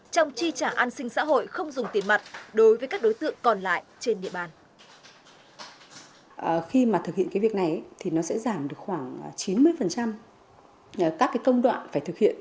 trong chi trả an sinh xã hội không dùng tiền mặt